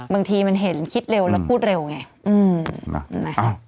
บางทีมันเห็นคิดเร็วแล้วพูดเร็วไง